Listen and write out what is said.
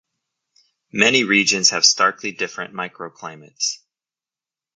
Many regions have starkly different microclimates.